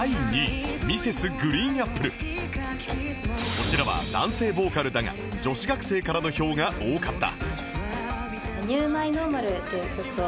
こちらは男性ボーカルだが女子学生からの票が多かった